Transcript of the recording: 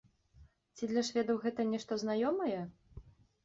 Ці для шведаў гэта нешта знаёмае?